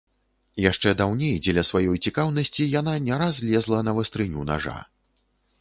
Яшчэ даўней дзеля сваёй цікаўнасці яна не раз лезла на вастрыню нажа.